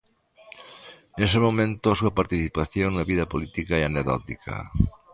Nese momento a súa participación na vida política é anecdótica.